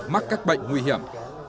mắc các bệnh nguy hiểm